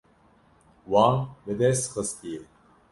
Wan bi dest xistiye.